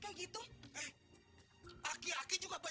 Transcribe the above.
tanta liberius haben